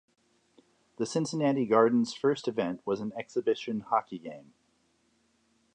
The Cincinnati Gardens' first event was an exhibition hockey game.